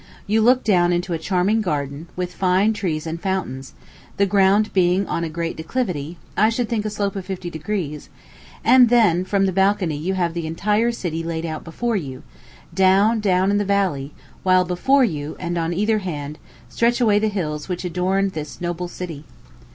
You look down into a charming garden, with fine trees and fountains, the ground being on a great declivity, I should think a slope of fifty degrees, and then from the balcony you have the entire city laid out before you, down, down in the valley; while before you, and on either hand, stretch away the hills which adorn this noble city.